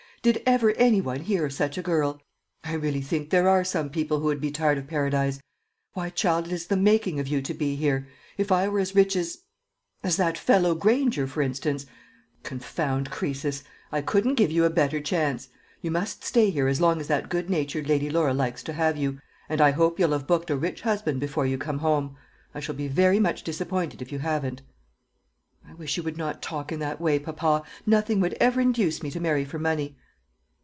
Did ever any one hear of such a girl! I really think there are some people who would be tired of Paradise. Why, child, it is the making of you to be here! If I were as rich as as that fellow Granger, for instance; confound Croesus! I couldn't give you a better chance. You must stay here as long as that good natured Lady Laura likes to have you; and I hope you'll have booked a rich husband before you come home. I shall be very much disappointed if you haven't." "I wish you would not talk in that way, papa; nothing would ever induce me to marry for money."